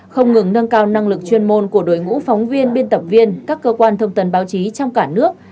không ngừng nâng cao năng lực chuyên môn của đội ngũ phóng viên biên tập viên các cơ quan thông tần báo chí trong cả nước